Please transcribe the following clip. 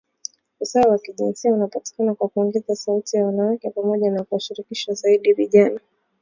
Usawa wa kijinsia unapatikana kwa kuongeza sauti za wanawake, pamoja na kuwashirikisha zaidi vijana.